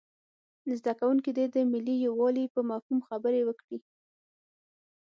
زده کوونکي دې د ملي یووالي په مفهوم خبرې وکړي.